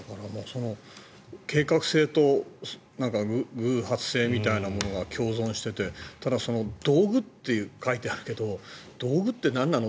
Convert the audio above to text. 計画性と偶発性みたいなものが共存していてただ道具って書いてあるけど道具ってなんなの？